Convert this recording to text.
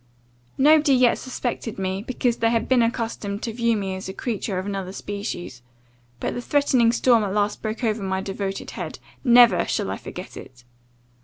"Nobody yet suspected me, because they had been accustomed to view me as a creature of another species. But the threatening storm at last broke over my devoted head never shall I forget it!